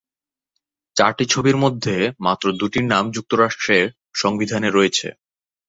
চারটি ছবির মধ্যে মাত্র দুটির নাম যুক্তরাষ্ট্রের সংবিধানে রয়েছে।